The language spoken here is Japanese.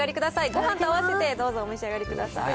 ごはんとあわせてどうぞお召し上がりください。